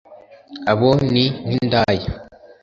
Abo ni nk’indaya